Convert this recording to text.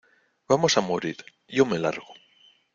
Vamos a morir. Yo me largo .